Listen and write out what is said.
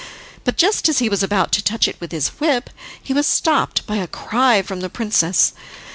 But just as he was about to touch it with his whip, he was stopped by a cry from the princess.